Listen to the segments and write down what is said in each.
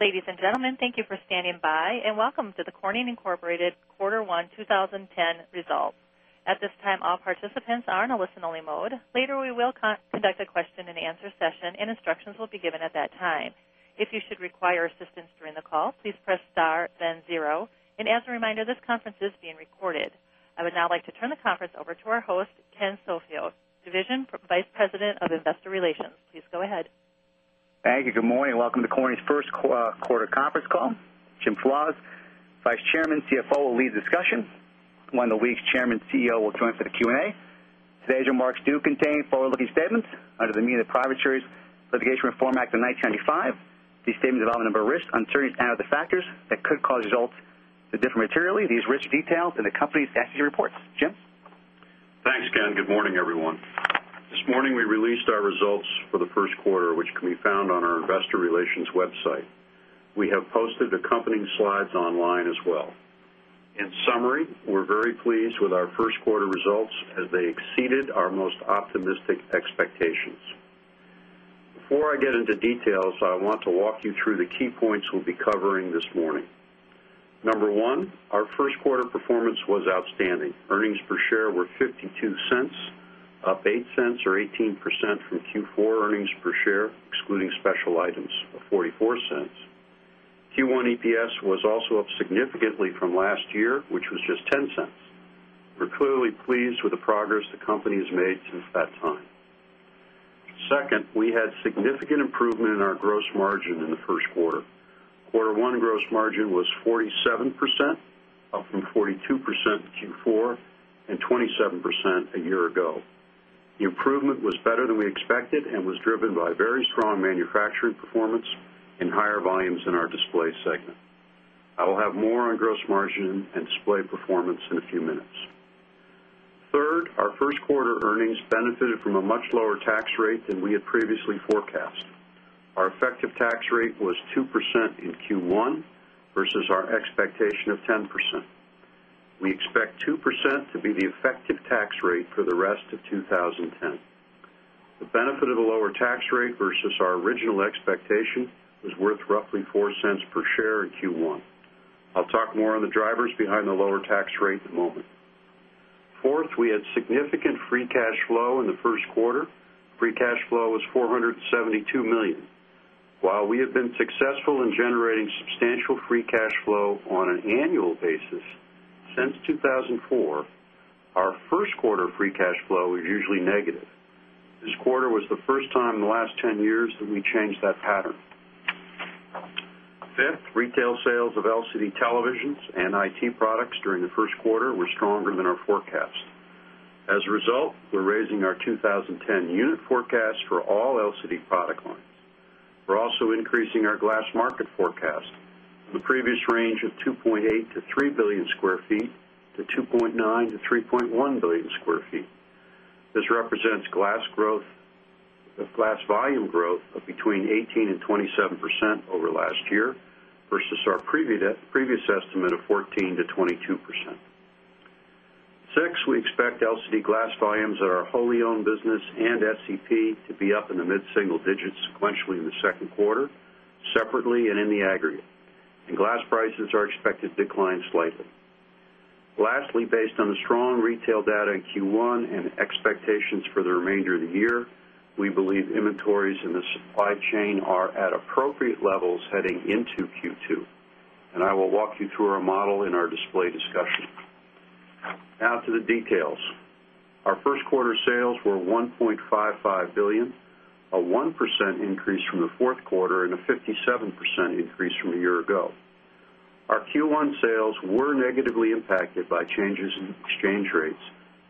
Ladies and gentlemen, thank you for standing by, and welcome to the Corning Incorporated Quarter 1 2010 Results. At this time, all participants are in a listen only mode. Later, we will conduct a question and answer session and instructions will be given at that time. And as a reminder, this conference is being recorded. I would now like to turn the conference over to our host, Ken Sofeo, Division Vice President of Investor Relations. Please go ahead. Thank you. Good morning. Welcome to Corning's Q1 conference call. Jim Flas, Vice Chairman and CFO, will lead the discussion Juan Delweake's Chairman and CEO will join for the Q and A. Today's remarks do contain forward looking statements under the meaning of Private Securities Litigation Reform Act of 1995. These statements involve a number of risks, uncertainties and other factors that could cause results to differ materially. These risks are detailed in the company's SEC reports. Jim? Thanks, Ken. Good morning, everyone. This morning, we released our results for the Q1, which can be found on our Investor Relations website. We have posted accompanying slides online as well. In summary, we're very pleased with our Q1 results as they exceeded our most optimistic expectations. Before I get into details, I want to walk you through the key points we'll be covering this morning. Number 1, our Q1 performance was outstanding. Earnings per share were $0.52 up $0.08 or 18% from Q4 earnings per share, excluding special items of $0.44 Q1 EPS was also up significantly from last year, which was just 0 point 10 dollars We're clearly pleased with the progress the company has made since that time. 2nd, we had significant improvement in our gross margin in the Q1. Quarter 1 gross margin was 47%, up from 42% in Q4 and 27% a year ago. The improvement was better than we expected and was driven by very strong manufacturing performance and higher volumes in our Display segment. I will have more on gross margin and Display performance in a few minutes. 3rd, our first quarter earnings benefited from a much lower tax rate than we had previously forecast. Our effective tax rate was 2% in Q1 versus our expectation of 10%. We expect 2% to be the effective tax rate for the rest of 2010. The benefit of a lower tax rate versus our original expectation was worth roughly $0.04 per share in Q1. I'll talk more on the drivers behind the lower tax rate in a moment. 4th, we had significant free cash flow in the Q1. Free cash flow was 472,000,000 dollars While we have been successful in generating substantial free cash flow on an annual basis since 2004, our Q1 free cash flow is usually negative. This quarter was the first time in the last 10 years that we changed that pattern. 5th, retail sales of LCD televisions and IT products during the Q1 were stronger than our forecast. As a result, we're raising our 20 10 unit forecast for all LCD product lines. We're also increasing our glass market forecast. In the previous range of 2,800,000,000 to 3,000,000,000 square feet to 2,900,000,000 to 3,100,000,000 square feet. This represents glass volume growth of between 18% 27% over last year versus our previous estimate of 14% to 22%. 6, we expect LCD Glass volumes at our wholly owned business and SEP to be up in the mid single digits sequentially in the Q2 separately and in the aggregate and glass prices are expected to decline slightly. Lastly, based on the strong retail data in Q1 and expectations for the remainder of the year, we believe inventories in the supply chain are at appropriate levels heading into Q2. And I will walk you through our model in our display discussion. Now to the details. Our first quarter sales were $1,550,000,000 a 1% increase from the 4th quarter and a 50 7% increase from a year ago. Our Q1 sales were negatively impacted by changes in exchange rates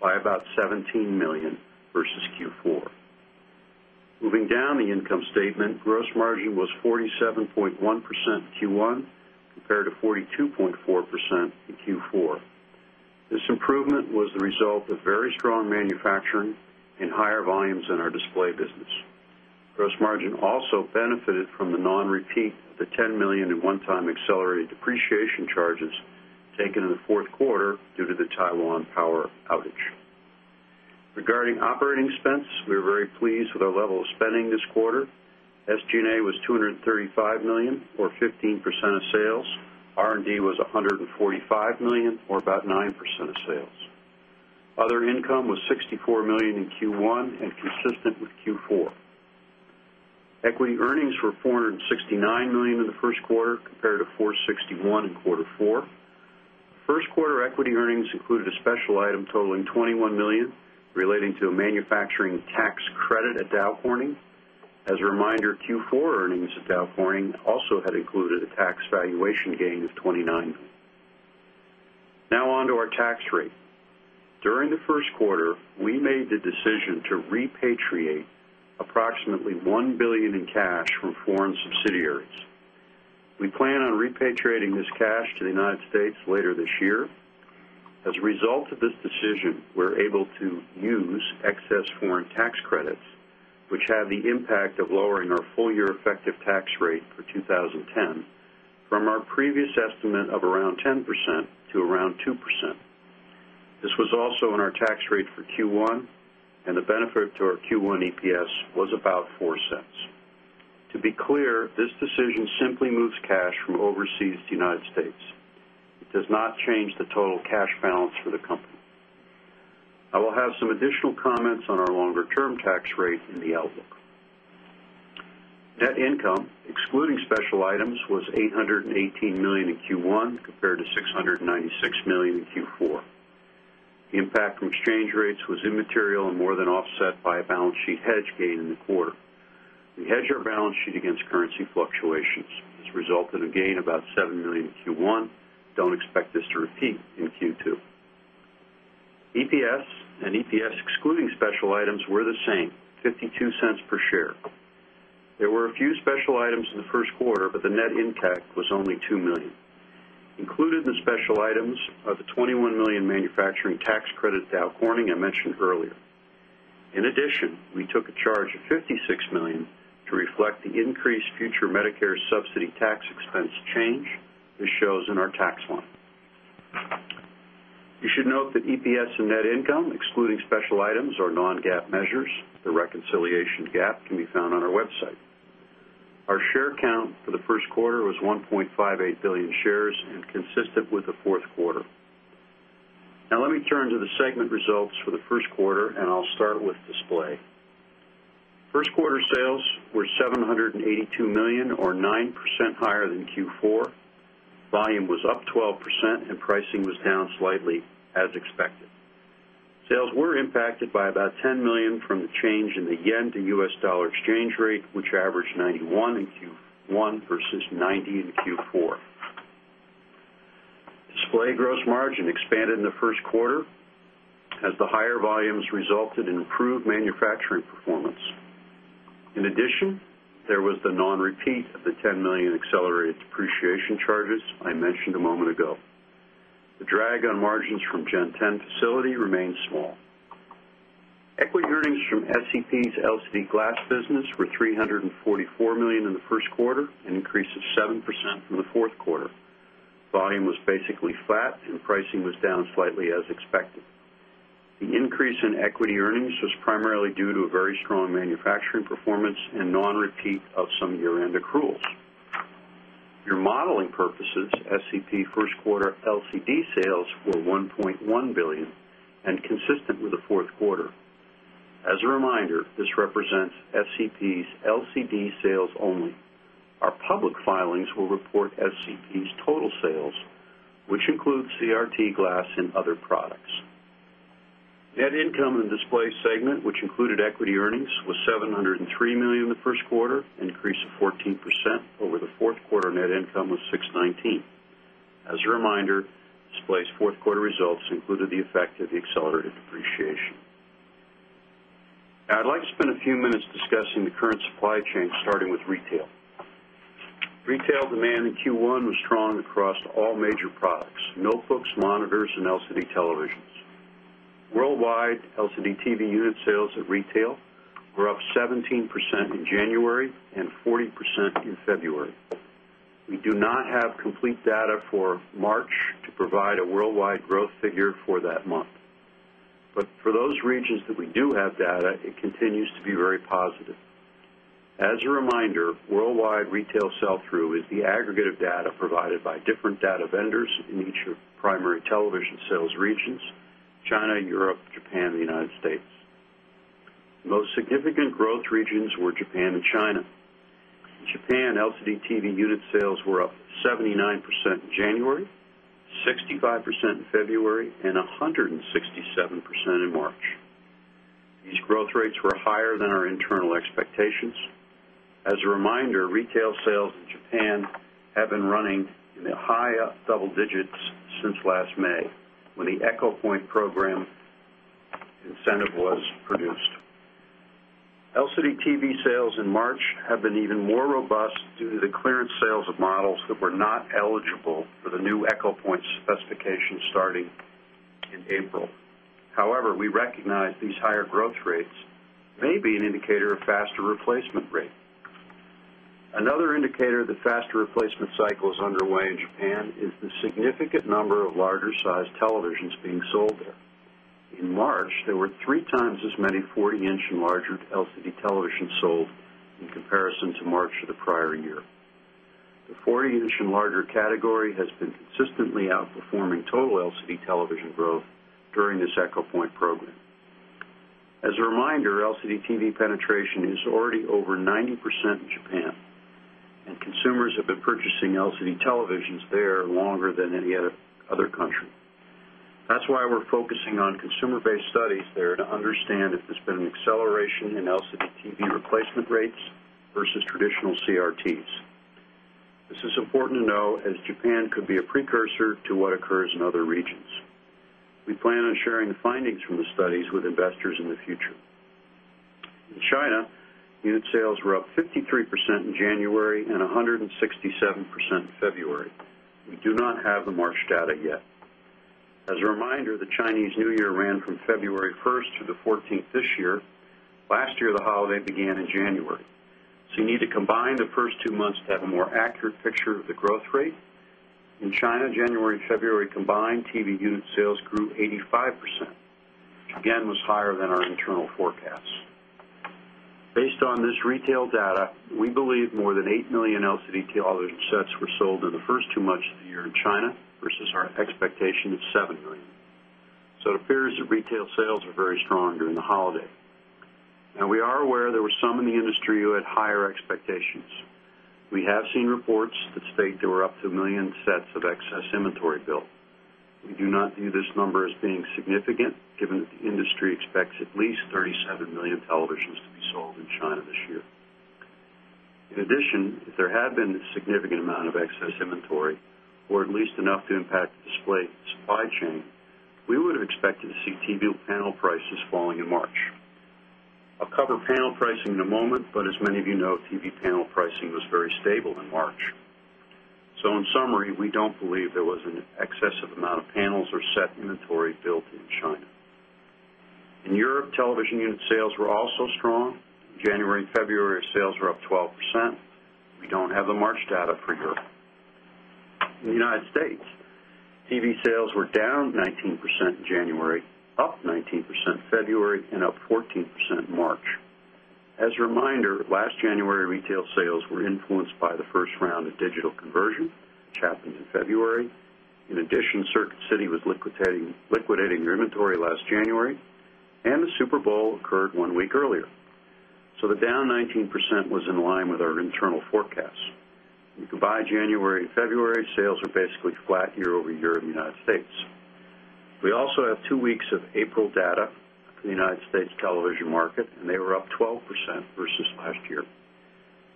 by about 17,000,000 dollars versus Q4. Moving down the income statement. Gross margin was 47.1% in Q1 compared to 42.4 percent in Q4. This improvement was the result of very strong manufacturing and higher volumes in our display business. Gross margin also benefited from the non repeat of the $10,000,000 in one time accelerated depreciation charges taken in the Q4 due to the Taiwan power outage. Regarding operating expense, we are very pleased with our level of spending this quarter. SG and A was $235,000,000 or 15 percent of sales. R and D was $145,000,000 or about 9% of sales. Other income was $64,000,000 in Q1 and consistent with Q4. Equity earnings were $469,000,000 in the 1st quarter compared to $461,000,000 in quarter 4. 1st quarter equity earnings included a special item totaling 21,000,000 dollars relating to a manufacturing tax credit at Dow Corning. As a reminder, Q4 earnings at Dow Corning also had included a tax valuation gain of 29 dollars Now on to our tax rate. During the Q1, we made the decision to repatriate approximately $1,000,000,000 in cash from foreign subsidiaries. We plan on repatriating this cash to the United States later this year. As a result of this decision, we're able to use excess foreign tax credits, which have the impact of lowering our full year effective tax rate for 20.10 from our previous estimate of around 10% to around 2%. This was also in our tax rate for Q1 and the benefit to our Q1 EPS was about $0.04 To be clear, this decision simply moves cash from overseas to United States. It does not change the total cash balance for the company. I will have some additional comments on our longer term tax rate in the outlook. Net income, excluding special items, was $818,000,000 in Q1 compared to $696,000,000 in Q4. Impact from exchange rates was immaterial and more than offset by a balance sheet hedge gain in the quarter. We hedge our balance sheet against currency fluctuations. This resulted in a gain of about $7,000,000 in Q1. Don't expect this to repeat in Q2. EPS and EPS excluding special items were the same, dollars 0.52 per share. There were a few special items in the Q1, but the net impact was only 2,000,000 dollars Included in the special items are the $21,000,000 manufacturing tax credit to Al Corning I mentioned earlier. In addition, we took a charge of $56,000,000 to reflect the increased future Medicare subsidy tax expense change, as shows in our tax line. You should note that EPS and net income excluding special items are non GAAP measures. The reconciliation GAAP can be found on our website. Our share count for the Q1 was 1,580,000,000 shares and consistent with the 4th quarter. Now let me turn to the segment results for the Q1 and I'll start with display. 1st quarter sales were $782,000,000 or 9% higher than Q4. Volume was up 12% and pricing was down slightly as expected. Sales were impacted by about $10,000,000 from the change in the yen to U. S. Dollar exchange rate, which averaged 91% in Q1 versus 90% in Q4. Display gross margin expanded in the Q1 as the higher volumes resulted in improved manufacturing performance. In addition, there was the non repeat of the $10,000,000 accelerated depreciation charges I mentioned a moment ago. The drag on margins from Gen 10 facility remains small. Equity earnings from SEP's LCD Glass business were $344,000,000 in the Q1, an increase of 7% from the Q4. Volume was basically flat and pricing was down slightly as expected. The increase in equity earnings was primarily due to a very strong manufacturing performance and non repeat of some year end accruals. For modeling purposes, SCP 1st quarter LCD sales were $1,100,000,000 and consistent with the 4th quarter. As a reminder, this represents SCP's LCD sales only. Our public filings will report SCP's total sales, which include CRT glass and other products. Net income in the Display segment, which included equity earnings, was $703,000,000 in the 1st quarter, an increase of 14% over the 4th quarter net income of 6.19 dollars As a reminder, Display's 4th quarter results included the effect of the accelerated depreciation. Now I'd like to spend a few minutes discussing the current supply chain starting with retail. Retail demand in Q1 was strong across all major notebooks, monitors and LCD televisions. Worldwide LCD TV unit sales at retail were up 17% in January and 40% in February. We do not have complete data for March to provide a worldwide growth figure for that month. But for those regions that we do have data, it continues to be very positive. As a reminder, worldwide retail sell through is the aggregate of data provided by different data vendors in each of primary television sales regions, China, Europe, Japan and the United States. Most significant growth regions were Japan and China. Japan LCD TV unit sales were up 79% in January, 65% in February and 167% in March. These growth rates were higher than our internal expectations. As a reminder, retail sales in Japan have been running in the high double digits since last May when the Echo Point program incentive was produced. LCD TV sales in March have been even more robust due to the clearance sales of models that were not eligible for the new Echo Point specification starting in April. However, we recognize these higher growth rates may be an indicator of faster replacement rate. Another indicator of the faster replacement cycle is underway in Japan is the significant number of larger sized televisions being sold there. In March, there were 3 times as many 40 inches and larger LCD televisions sold in comparison to March of the prior year. The 40 inches and larger category has been consistently outperforming total LCD television growth during this Echo Point program. As a reminder, LCD TV penetration is already over 90% in Japan and consumers have been purchasing there's been an acceleration in LCD TV replacement rates versus traditional CRTs. This is important to know as Japan could be a precursor to what occurs in other regions. We plan on sharing the findings from the studies with investors in the future. In China, unit sales were up 53% in January and 167% in February. We do not have the March data yet. As a reminder, the Chinese New Year ran from February 1 through 14 this year. Last year, the holiday began in January. So you need to combine the 1st 2 months to have a more accurate picture of the growth rate. In China, January February combined TV unit sales grew 85%, again was higher than our internal forecast. Based on this retail data, we believe more than 8,000,000 LCD television sets were sold in the 1st 2 months of the year in China versus our expectation of 7,000,000. So it appears that retail sales are very strong during the holiday. Now we are aware there were some in the industry who had higher expectations. We have seen reports that state there were up to 1,000,000 sets of excess inventory built. We do not view this number as being significant given that the industry expects at least 37,000,000 televisions to be sold in China this year. In addition, if there had been a significant amount of excess inventory or at least enough to impact display supply chain, we would have expected to see TV panel prices falling in March. I'll cover panel pricing in a moment, but as many of you know TV panel pricing was very stable in March. So in summary, we don't believe there was an excessive amount of panels or set inventory built in China. In Europe, television unit sales were also strong. In January February, sales were up 12%. We don't have the March data for Europe. In the United States, TV sales were down 19% in January, up 19% in February and up 14% in March. As a reminder, last January retail sales were influenced by the 1st round of digital conversion, which happened in February. In addition, Circuit City was liquidating their inventory last January and the Super Bowl occurred 1 week earlier. So the down 19% was in line with our internal forecast. If you combine January February sales are basically flat year over year in the United States. We also have 2 weeks of April data for the United States television market and they were up 12% versus last year.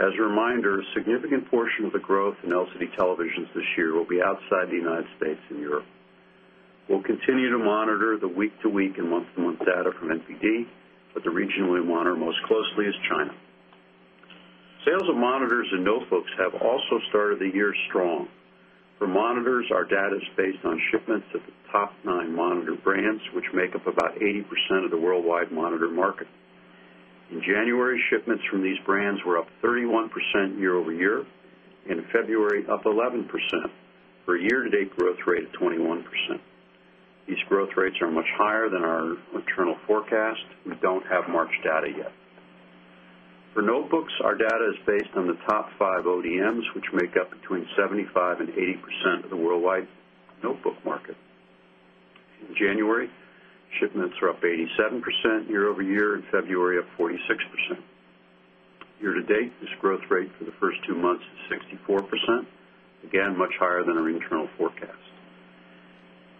As a reminder, a significant portion of the growth in LCD televisions this year will be outside the United States and Europe. We'll continue to monitor the week to week and month to month data from NPD, but the region we monitor most closely is China. Sales of monitors and notebooks have also started the year strong. For monitors, our data is based on shipments of the top 9 monitor brands, which make up about 80% of the worldwide monitor market. In January, shipments from these brands were up 31% year over year and February up 11% for a year to date growth rate of 21%. These growth rates are much higher than our internal forecast. We don't have March data yet. For notebooks, our data is based on the top 5 ODMs, which make up between 75% 80% of the worldwide notebook market. In January, shipments were up 87% year over year and February up 46%. Year to date, this growth rate for the 1st 2 months is 64%, again much higher than our internal forecast.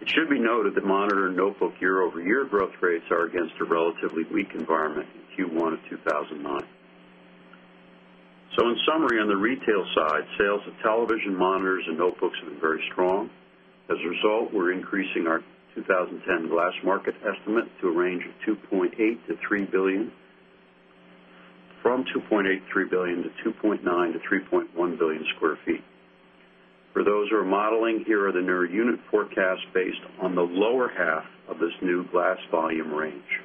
It should be noted that monitor and notebook year over year growth rates are against a relatively weak environment in Q1 of 2019. So in summary, on the retail side, sales of television, monitors and notebooks have been very strong. As a result, we're increasing our 2010 Glass Market estimate to a range of $2,800,000,000 to $3,000,000,000 from $2,830,000,000 to $2,900,000,000 to 3,100,000,000 square feet. For those who are modeling, here are the new unit forecast based on the lower half of this new glass volume range.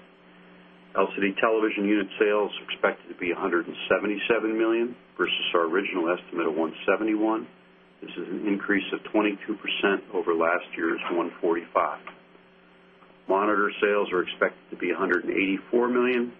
LCD Television unit sales expected to be $177,000,000 versus our original estimate of 1.71 dollars This is an increase of 22% over last year's $145,000,000 Monitor sales are expected to be $184,000,000